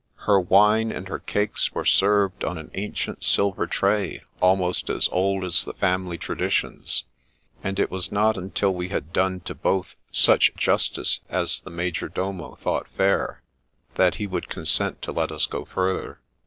Her wine and her cakes were served on an ancient silver tray, almost as old as the family tra ditions, and it was not until we had done to both such justice as the major domo thought fair that he would consent to let us go further.